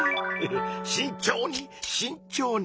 しんちょうにしんちょうに。